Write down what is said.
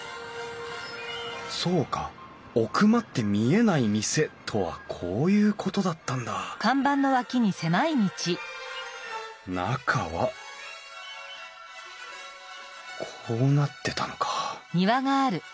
そうか「奥まって見えない店」とはこういうことだったんだ中はこうなってたのか。